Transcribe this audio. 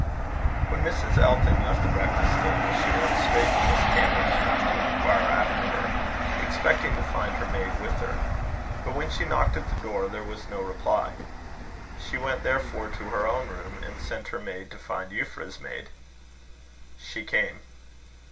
When Mrs. Elton left the breakfast table, she went straight to Miss Cameron's room to inquire after her, expecting to find her maid with her. But when she knocked at the door, there was no reply. She went therefore to her own room, and sent her maid to find Euphra's maid. She came.